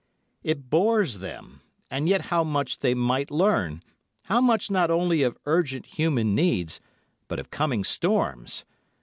It bores them; and yet how much they might learn, how much not only of urgent human needs, but of coming storms.